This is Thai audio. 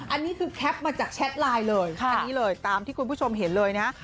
อันนี้คือแคปมาจากแชทไลน์เลยอันนี้เลยตามที่คุณผู้ชมเห็นเลยนะ